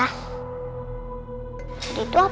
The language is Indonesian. jadi itu apa ya